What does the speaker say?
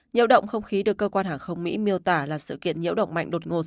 nhiễu động không khí được cơ quan hàng không mỹ miêu tả là sự kiện nhiễu động mạnh đột ngột